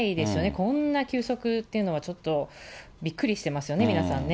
こんな急速っていうのは、ちょっとびっくりしてますよね、皆さんね。